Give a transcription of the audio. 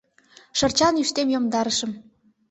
Шырчан ӱштем йомдарышым.